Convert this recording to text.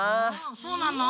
そうなの？